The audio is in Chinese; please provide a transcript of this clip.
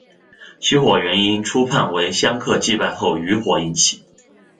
起火原因初判为香客祭拜后余火引起。